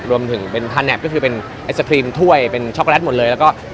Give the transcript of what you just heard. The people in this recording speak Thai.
รวมถึงเป็นพาแนบก็คือเป็นไอศครีมถ้วยเป็นช็อกโกแลตหมดเลยแล้วก็